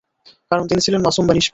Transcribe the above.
কারণ, তিনি ছিলেন মাসূম বা নিস্পাপ।